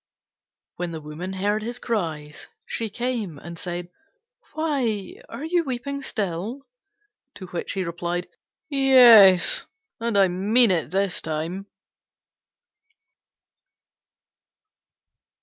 When the Woman heard his cries, she came and said, "Why, are you weeping still?" To which he replied, "Yes, and I mean it this time."